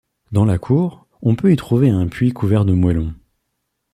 Dans la cour, on peut y trouver un puits couvert en moellons.